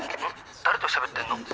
誰としゃべってんの？